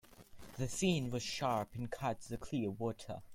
The fin was sharp and cut the clear water.